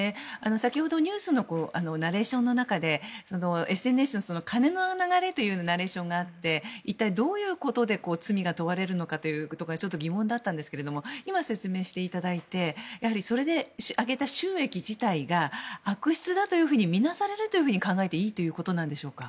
先ほどニュースのナレーションの中でＳＮＳの金の流れというナレーションがあって一体、どういうことで罪が問われるのかというところがちょっと疑問だったんですが今、説明していただいてそれで上げた収益自体が悪質だと見なされると考えていいということでしょうか？